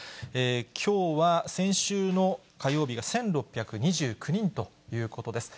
きょうは先週の火曜日が１６２９人ということです。